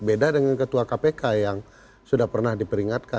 beda dengan ketua kpk yang sudah pernah diperingatkan